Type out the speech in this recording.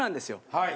はい。